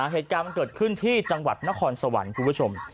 เหตุการณ์มันเกิดขึ้นที่จังหวัดนครสวรรค์คุณผู้ชม